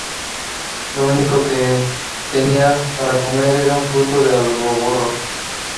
The Coastal Commission appealed to the United States Supreme Court.